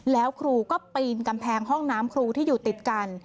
แล้วครูก็ปีนกำแพงห้องน้ำครูที่อยู่ติดกัน